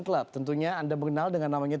club tentunya anda mengenal dengan namanya